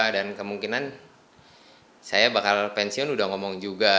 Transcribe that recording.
dan kemungkinan saya bakal pensiun udah ngomong juga